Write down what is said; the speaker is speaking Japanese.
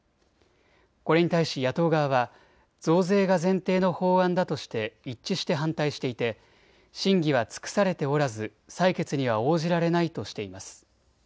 これに対し野党側は増税が前提の法案だとして一致して反対していて審議は尽くされておらず採決には応じられないとしています。